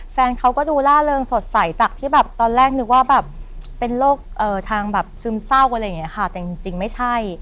แฟนเขาก็ดูล่าเลิงสดใสจากที่ตอนแรกนึกเป็นทางซึมเศร้าก็ไม่ใช่